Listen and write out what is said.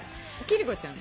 貴理子ちゃん。